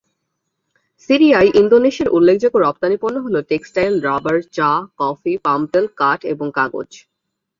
সিরিয়ায়, ইন্দোনেশিয়ার উল্লেখযোগ্য রপ্তানি পণ্য হল, টেক্সটাইল, রাবার, চা, কফি, পাম তেল, কাঠ এবং কাগজ।